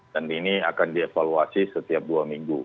dan ini akan dievaluasi setiap dua minggu